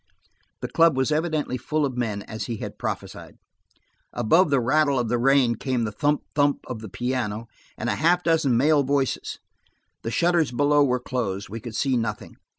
The club was evidently full of men, as he had prophesied. Above the rattle of the rain came the thump–thump of the piano, and a half dozen male voices. The shutters below were closed; we could see nothing.